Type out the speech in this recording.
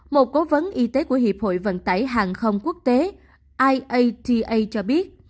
một cố vấn y tế của hiệp hội vận tải hàng không quốc tế iata cho biết